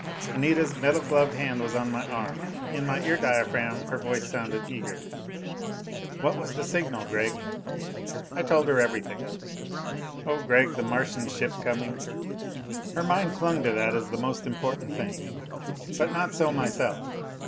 Anita's metal gloved hand was on my arm; in my ear diaphragm her voice sounded eager: "What was the signal, Gregg?" I told her everything. "Oh Gregg! The Martian ship coming!" Her mind clung to that as the most important thing. But not so myself.